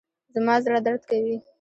زما زړه درد کوي